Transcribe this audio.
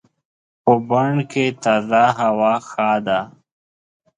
په بڼ کې تازه هوا ښه ده.